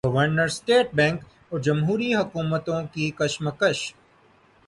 governor state bank اور جمہوری حکومتوں کی کشمکش